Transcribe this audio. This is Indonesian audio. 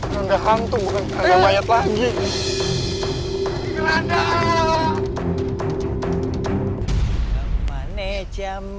keranda hantu bukan keranda mayat lagi